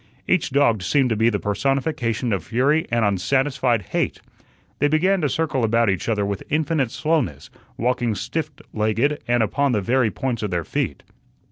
Each dog seemed to be the personification of fury and unsatisfied hate. They began to circle about each other with infinite slowness, walking stiffed legged and upon the very points of their feet.